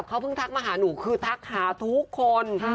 เขาเพิ่งทักมาหาหนูคือทักหาทุกคน